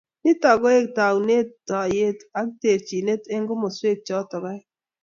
Nito koek taunetab toiyet ak terchinet eng komoswek choto aeng